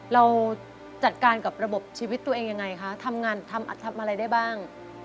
เราจัดการกับระบบชีวิตตัวเองยังไงคะทำงานทำอะไรได้บ้าง